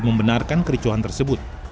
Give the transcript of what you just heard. membenarkan kericuhan tersebut